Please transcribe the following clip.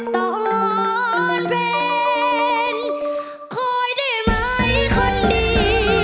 ตอนแฟนคอยได้ไหมคนดี